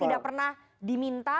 tidak pernah diminta